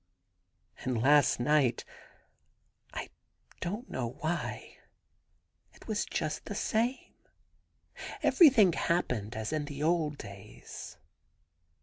.••* And last night — I don't know why — it was just the same. Everything happened as in the old days.